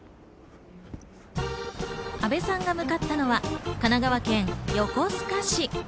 阿部さんが向かったのは神奈川県横須賀市。